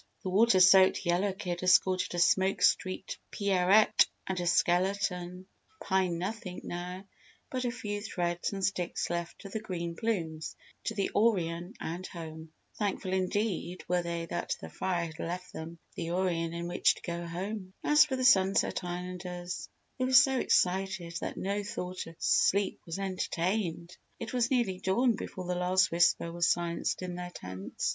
The water soaked Yellow Kid escorted a smoke streaked Pierrette and a skeleton Pine nothing now but a few threads and sticks left of the green plumes to the Orion and home. Thankful indeed, were they that the fire had left them the Orion in which to go home. As for the Sunset Islanders: they were so excited that no thought of sleep was entertained. It was nearly dawn before the last whisper was silenced in their tents.